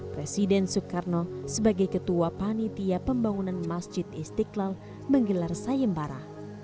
presiden soekarno sebagai ketua panitia pembangunan masjid istiqlal menggelar sayembara